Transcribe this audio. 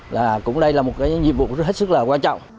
là cũng đây là một cái nhiệm vụ rất là quan trọng